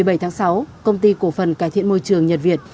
ngày một mươi bảy tháng sáu công ty cổ phần cải thiện môi trường nhật việt